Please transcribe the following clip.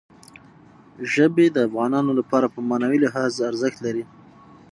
ژبې د افغانانو لپاره په معنوي لحاظ ارزښت لري.